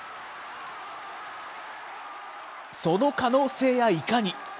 その可能性や、いかに。